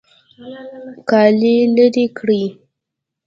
کالي لرې کړئ